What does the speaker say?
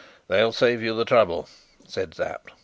"They'll save you the trouble," said Sapt.